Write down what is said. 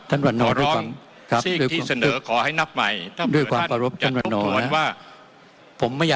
ขอร้องที่เสนอขอให้นับใหม่ถ้าเมื่อท่านจะจัดรบทวนว่า